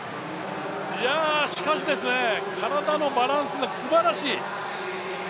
しかし、体のバランスがすばらしい！